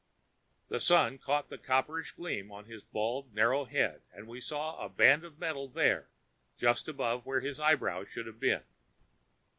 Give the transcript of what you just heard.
The Sun caught a copperish gleam on his bald narrow head, and we saw a band of metal there, just above where his eyebrows should have been.